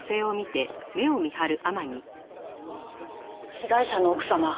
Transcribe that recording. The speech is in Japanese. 被害者の奥様